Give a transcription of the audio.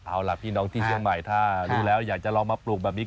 เอาล่ะพี่น้องที่เชียงใหม่ถ้ารู้แล้วอยากจะลองมาปลูกแบบนี้